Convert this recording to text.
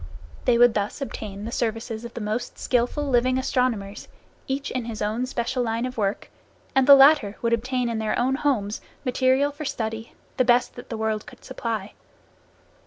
They would thus obtain the services of the most skilful living astronomers, each in his own special line of work, and the latter would obtain in their own homes material for study, the best that the world could supply.